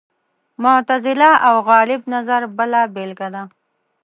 معتزله او غالب نظر بله بېلګه ده